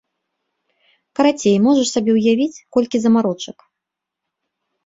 Карацей, можаш сабе ўявіць, колькі замарочак!